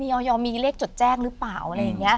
ออยมีเลขจดแจ้งหรือเปล่าอะไรอย่างนี้